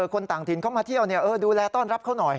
คนต่างถิ่นเข้ามาเที่ยวดูแลต้อนรับเขาหน่อย